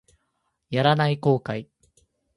やらない後悔